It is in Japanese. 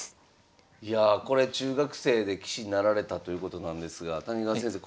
いやあこれ中学生で棋士になられたということなんですが谷川先生